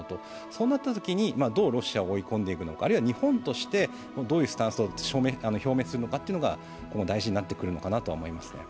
そうなったときに、どうロシアを追い込んでいくのか、あるいは日本としてどういうスタンスを表明するのかが大事になってくると思います。